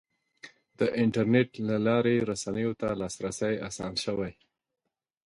د انټرنیټ له لارې رسنیو ته لاسرسی اسان شوی.